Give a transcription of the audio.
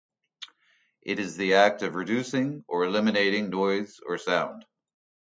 It is the act of reducing or eliminating noise or sound.